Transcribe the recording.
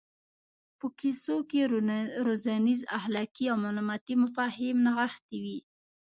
په کیسو کې روزنیز اخلاقي او معلوماتي مفاهیم نغښتي وي.